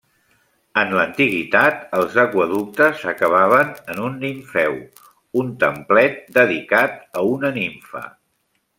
En l'antiguitat, els aqüeductes acabaven en un nimfeu, un templet dedicat a una nimfa.